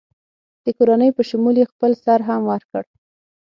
د کورنۍ په شمول یې خپل سر هم ورکړ.